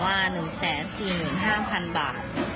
แล้วก็บอกว่า๑๔๕๐๐๐บาท